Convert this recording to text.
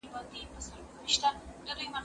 لوښي د مور له خوا وچول کيږي!.